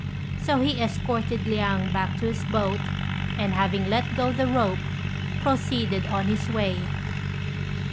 So he escorted Liang back to his boat, and, having let go the rope, proceeded on his way.